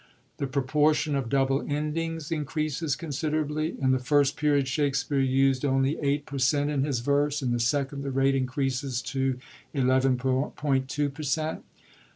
The propor tion of double endings increases considerably : in the First Period Shakspere used only 8 per cent, in his verse; in the Second the rate increases to 11*2 per cent.